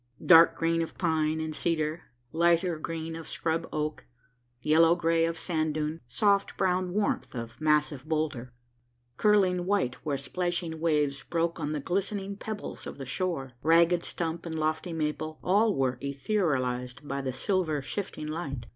Dark green of pine and cedar, lighter green of scrub oak, yellow gray of sand dune, soft brown warmth of massive boulder, curling white where splashing waves broke on the glistening pebbles of the shore, ragged stump and lofty maple all were etherealized by the silver, shifting light.